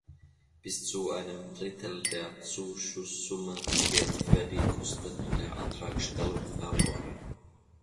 Bis zu einem Drittel der Zuschusssumme geht für die Kosten der Antragstellung verloren.